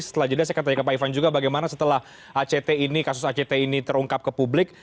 setelah jeda saya akan tanya ke pak ivan juga bagaimana setelah act ini kasus act ini terungkap ke publik